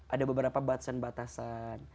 ada beberapa batasan batasan